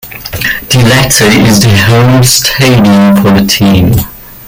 The latter is the home stadium for the team.